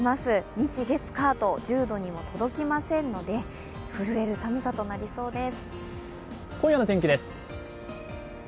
日月火と１０度にも届きませんので震える寒さとなりそうです。